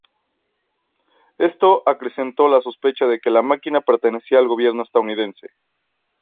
Esto acrecentó la sospecha de que la máquina pertenecía al gobierno estadounidense.